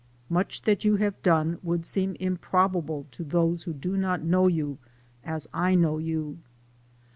Much that you have done would seem im 8 PREFACE. probable to those who do not know you as I know you.